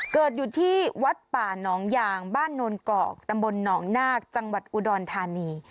เกิดอยู่ที่วัดป่านองยางบ้านโนนกอกตำบลหนองนาคจังหวัดอุดรธานี